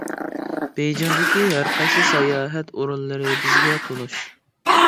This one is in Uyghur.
بېيجىڭدىكى ھەرقايسى ساياھەت ئورۇنلىرى بىزگە تونۇش.